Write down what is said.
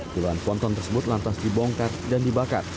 puluhan ponton tersebut lantas dibongkar dan dibakar